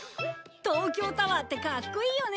東京タワーってかっこいいよね！